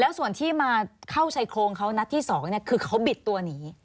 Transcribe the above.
ส่วนที่มาเข้าชายโครงเขานัดที่๒คือเขาบิดตัวหนี